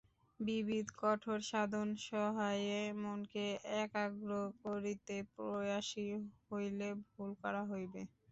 বিবিধ কঠোর সাধন-সহায়ে মনকে একাগ্র করিতে প্রয়াসী হইলে ভুল করা হইবে।